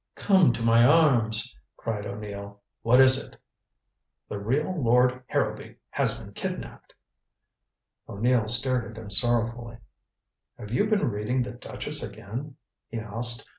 "Come to my arms," cried O'Neill. "What is it?" "The real Lord Harrowby has been kidnaped." O'Neill stared at him sorrowfully. "Have you been reading the Duchess again?" he asked.